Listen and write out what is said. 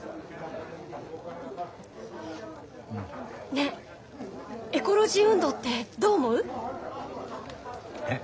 ねえエコロジー運動ってどう思う？え？